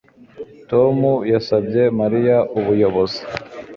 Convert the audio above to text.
Tom yasabye Mariya ubuyobozi